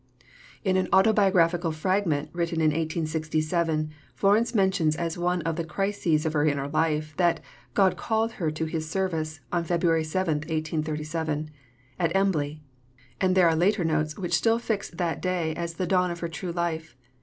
" In an autobiographical fragment written in 1867 Florence mentions as one of the crises of her inner life that "God called her to His service" on February 7, 1837, at Embley; and there are later notes which still fix that day as the dawn of her true life.